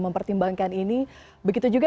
mempertimbangkan ini begitu juga